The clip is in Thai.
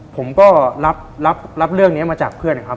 ผมก็รับเรื่องนี้มาจากเพื่อนนะครับ